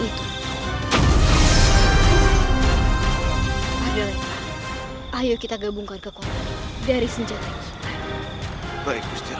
itu ayo kita gabungkan kekuatan dari senjata baik baik